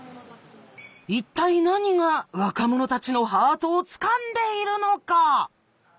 一体何が若者たちのハートをつかんでいるのか？